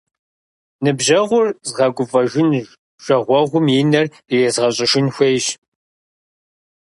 Ныбжьэгъур згъэгуфӏэжын, жагъуэгъум и нэр ирезгъэщӏыжын хуейщ.